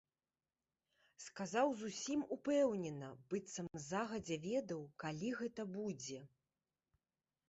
Сказаў зусім упэўнена, быццам загадзя ведаў, калі гэта будзе.